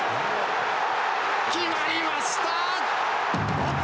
決まりました！